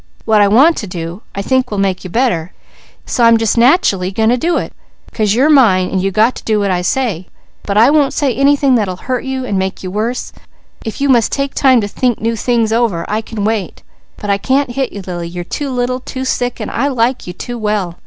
What I want to do, I think will make you better, so I'm just nachally going to do it, 'cause you're mine, and you got to do what I say. But I won't say anything that'll hurt you and make you worse. If you must take time to think new things over, I can wait; but I can't hit you Lily, you're too little, too sick, and I like you too well.